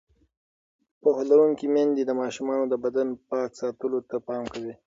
پوهه لرونکې میندې د ماشومانو د بدن پاک ساتلو ته پام کوي.